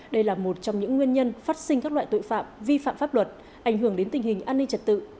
đây là một trong những nguyên nhân phát sinh các loại tội phạm vi phạm pháp luật ảnh hưởng đến tình hình an ninh trật tự